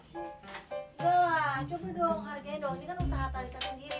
gak lah coba dong harganya dong ini kan usaha talita sendiri